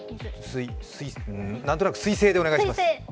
何となく水星でお願いします。